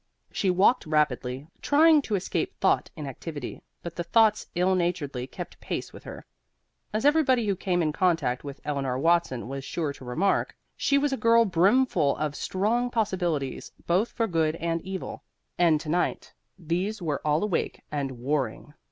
She walked rapidly, trying to escape thought in activity; but the thoughts ill naturedly kept pace with her. As everybody who came in contact with Eleanor Watson was sure to remark, she was a girl brimful of strong possibilities both for good and evil; and to night these were all awake and warring.